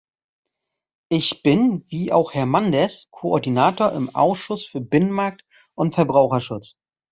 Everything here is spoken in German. Ich bin, wie auch Herr Manders, Koordinator im Ausschuss für Binnenmarkt und Verbraucherschutz.